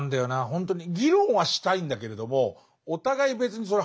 ほんとに議論はしたいんだけれどもお互い別にそれ